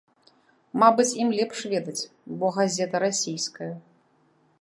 Мабыць, ім лепш ведаць, бо газета расійская.